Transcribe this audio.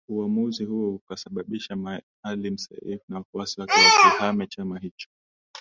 Uamuzi huo ukasababisha Maalim Seif na wafuasi wake wakihame chama hicho